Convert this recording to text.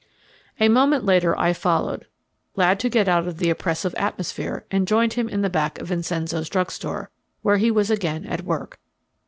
A moment later I followed, glad to get out of the oppressive atmosphere, and joined him in the back of Vincenzo's drug store, where he was again at work.